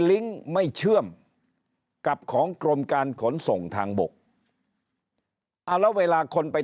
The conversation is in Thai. ลิงก์ไม่เชื่อมกับของกรมการขนส่งทางบกอ่าแล้วเวลาคนไป